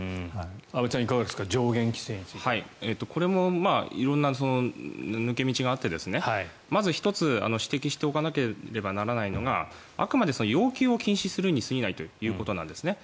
阿部さん、いかがですか色んな抜け道があってまず１つ、指摘しておかなければならないのはあくまで要求を禁止するにすぎないということなんですね。